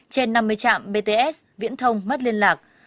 trên năm mươi trạm bts viễn thông mất liên lạc